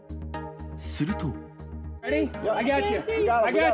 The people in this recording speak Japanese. すると。